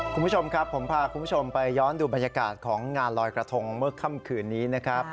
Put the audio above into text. คุณผู้ชมครับผมพาคุณผู้ชมไปย้อนดูบรรยากาศของงานลอยกระทงเมื่อค่ำคืนนี้นะครับ